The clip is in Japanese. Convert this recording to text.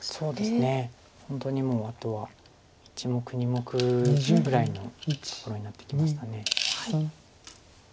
本当にもうあとは１目２目ぐらいのところになってきました。